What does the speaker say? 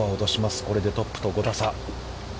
これでトップと５打差。